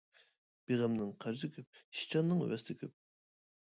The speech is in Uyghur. بىغەمنىڭ قەرزى كۆپ، ئىشچاننىڭ ۋەسلى كۆپ.